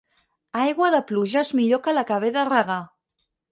Aigua de pluja és millor que la que ve de regar.